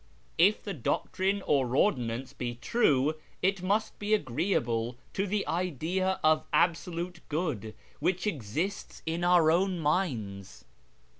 If the doctrine or ordinance be true, it must be agreeable to the idea of Absolute Good which exists in our own minds."